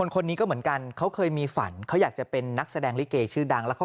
คนนี้ก็เหมือนกันเขาเคยมีฝันเขาอยากจะเป็นนักแสดงลิเกชื่อดังแล้วเขา